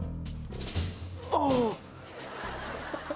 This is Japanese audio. ああ！